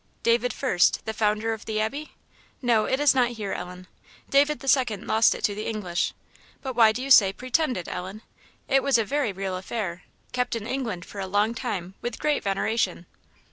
"David First, the founder of the Abbey? No, it is not here, Ellen; David the Second lost it to the English. But why do you say pretended, Ellen? It was a very real affair; kept in England for a long time with great veneration."